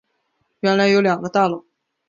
原来有两个大楼